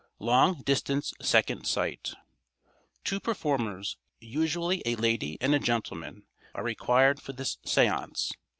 Long distance Second Sight.—Two performers, usually a lady and a gentleman, are required for this seance.